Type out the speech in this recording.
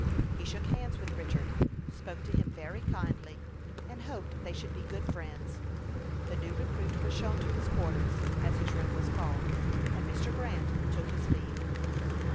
He shook hands with Richard, spoke to him very kindly, and hoped they should be good friends. The new recruit was shown to his quarters, as his room was called, and Mr. Grant took his leave.